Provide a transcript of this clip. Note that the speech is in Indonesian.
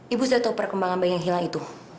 ibu sudah tahu perkembangan bayi yang hilang itu